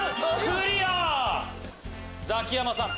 ザキヤマさん！